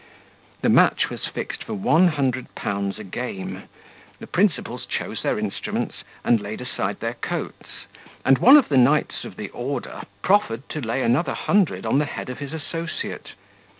The match was fixed for one hundred pounds a game, the principals chose their instruments, and laid aside their coats, and one of the knights of the order proffered to lay another hundred on the head of his associate.